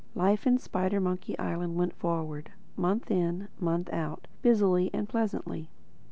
Life in Spidermonkey Island went forward, month in month out, busily and pleasantly.